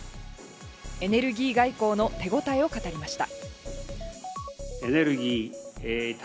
エネルギー外交の手応えを語りました。